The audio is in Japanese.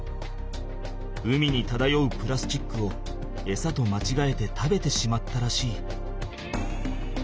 海にただようプラスチックをエサとまちがえて食べてしまったらしい。